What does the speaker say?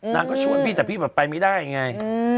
นางก็ช่วยพี่แต่พี่แบบไปไม่ได้ไง